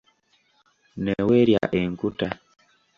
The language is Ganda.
Ne weerya enkuta.